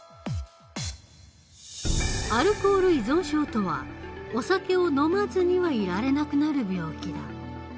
アルコール依存症とはお酒を飲まずにはいられなくなる病気だ。